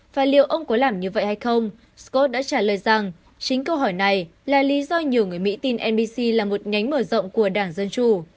và liệu ông có làm như vậy hay không scott đã trả lời rằng chính câu hỏi này là lý do nhiều người mỹ tin nbc là một nhánh mở rộng của đảng dân chủ